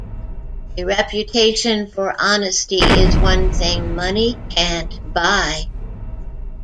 A reputation for honesty is one thing money can't buy.